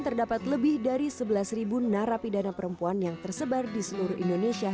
terdapat lebih dari sebelas narapidana perempuan yang tersebar di seluruh indonesia